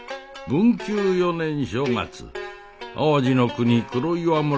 文久４年正月淡路国黒岩村の百姓娘